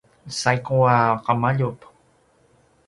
saigu a qemaljup